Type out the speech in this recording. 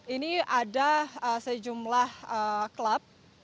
ini ada sejumlah klub